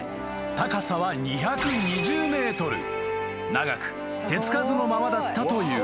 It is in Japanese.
［長く手付かずのままだったという］